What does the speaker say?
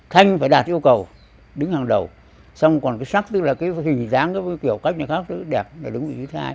thanh phải đạt yêu cầu đứng hàng đầu xong còn cái sắc tức là cái hình dáng kiểu cách nào khác đúng ý thái